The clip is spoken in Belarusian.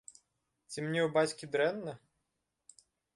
Ці мне ў бацькі дрэнна?